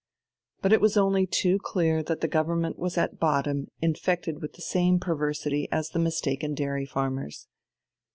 But it was only too clear that the Government was at bottom infected with the same perversity as the mistaken dairy farmers.